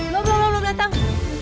belum belum belum datang